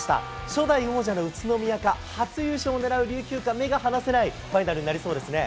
初代王者の宇都宮か、初優勝を狙う琉球か、目が離せないファイナルになりそうですね。